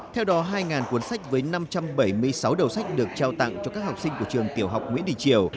theo đó hai cuốn sách với năm trăm bảy mươi sáu đầu sách được trao tặng cho các học sinh của trường tiểu học nguyễn đình triều